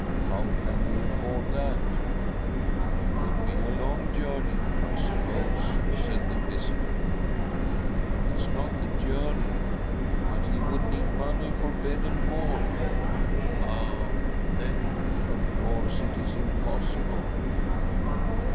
How can we afford that ?' 'It would be a long journey, I suppose ?' said the visitor. ' It's not the journey, but he would need money'for bed and board.' ' Ah ! then, of course, it is impossible.'